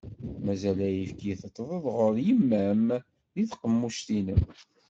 Mazal ayefki teṭṭḍeḍ ɣur yemma-m di tqemmuct-inem.